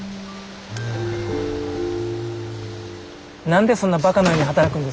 何でそんなバカのように働くんです？